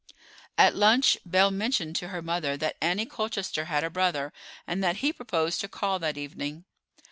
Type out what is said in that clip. At lunch Belle mentioned to her mother that Annie Colchester had a brother, and that he proposed to call that evening.